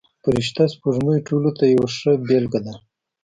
فرشته سپوږمۍ ټولو ته یوه ښه بېلګه ده.